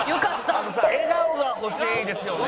あのさ笑顔が欲しいですよね。